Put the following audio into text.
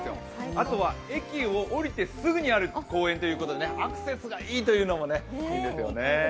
あとは駅を降りてすぐある公園ということでアクセスがいいというのもいいですよね。